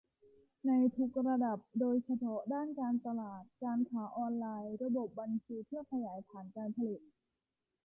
ในทุกระดับ โดยเฉพาะด้านการตลาด การค้าออนไลน์ ระบบบัญชี เพื่อขยายฐานการผลิต